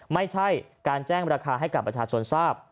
ไม่ใช่การแจ้งราคาให้กับประชาชนทราบ